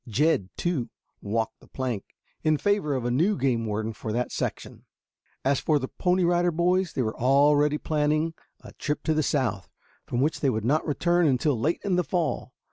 Jed, too, "walked the plank" in favor of a new game warden for that section. As for the Pony Rider Boys, they were already planning a trip to the South, from which they would not return until late in the fall.